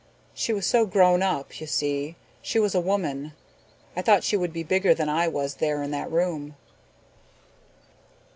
She was so grown up, you see. She was a woman. I thought she would be bigger than I was there in that room."